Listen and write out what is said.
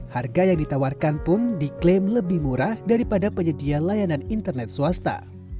harga yang ditawarkan pun diklaim lebih murah daripada penyedia layanan internet swasta